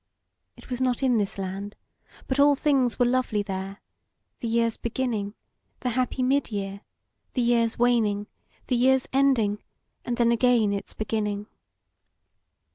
It was not in this land; but all things were lovely there; the year's beginning, the happy mid year, the year's waning, the year's ending, and then again its beginning.